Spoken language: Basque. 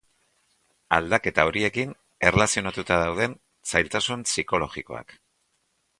Aldaketa horiekin erlazionatuta dauden zailtasun psikologikoak.